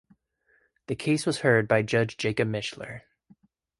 The case was heard by Judge Jacob Mishler.